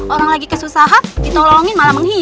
orang lagi kesusahan ditolongin malah menghina